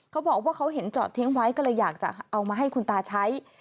เขาบอกว่าเขาเห็นจอดทิ้งไว้ก็เลยอยากจะเอามาให้คุณตาใช้